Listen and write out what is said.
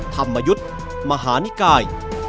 ธรรมยุทธ์มหานิกาย